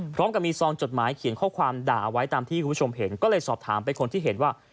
พร้อมกับมีซองจดหมายเขียนข้อความด่าเอาไว้ตามที่คุณผู้ชมเห็นก็เลยสอบถามไปคนที่เห็นว่า